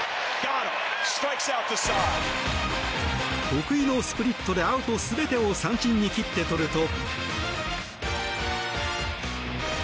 得意のスプリットでアウト全てを三振に切って取ると。